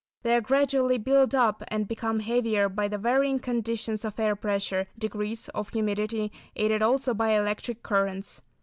They are gradually built up and become heavier by the varying conditions of air pressure, degrees of humidity, aided also by electric currents.